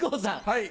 はい。